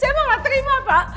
saya mau gak terima pak